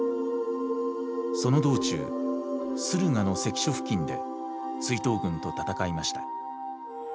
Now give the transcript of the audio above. その道中駿河の関所付近で追討軍と戦いました。